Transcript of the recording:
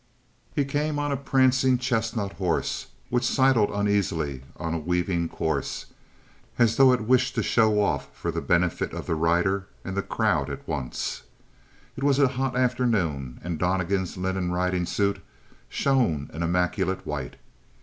He came on a prancing chestnut horse which sidled uneasily on a weaving course, as though it wished to show off for the benefit of the rider and the crowd at once. It was a hot afternoon and Donnegan's linen riding suit shone an immaculate white.